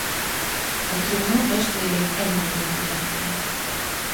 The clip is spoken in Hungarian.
A trónon testvérét Edmundot követte.